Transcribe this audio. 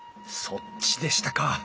そっちでしたか。